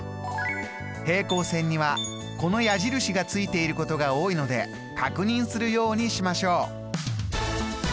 平行線にはこの矢印がついていることが多いので確認するようにしましょう。